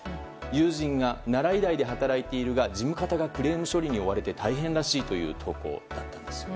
友人が奈良医大で働いているが事務方がクレーム処理に追われて大変らしいという投稿。